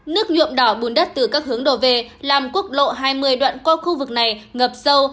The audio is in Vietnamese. nước nhuộm đỏ bùn đất từ các hướng đổ về làm quốc lộ hai mươi đoạn qua khu vực này ngập sâu